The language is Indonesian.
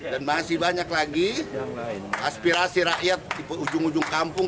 dan masih banyak lagi aspirasi rakyat di ujung ujung kampung